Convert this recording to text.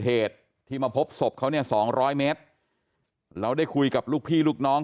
เหตุที่มาพบศพเขาเนี่ยสองร้อยเมตรเราได้คุยกับลูกพี่ลูกน้อง